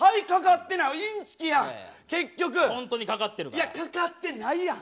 いやかかってないやん。